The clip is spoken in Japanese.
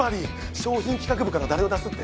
商品企画部から誰を出すって？